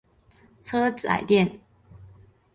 车仔电。